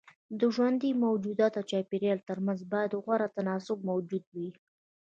د ژوندي موجود او چاپيريال ترمنځ بايد غوره تناسب موجود وي.